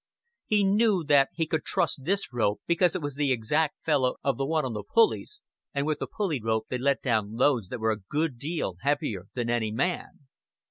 He knew that he could trust this rope, because it was the exact fellow of the one on the pulleys and with the pulley rope they let down loads that were a good deal heavier than any man.